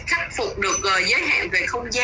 khắc phục được giới hạn về không gian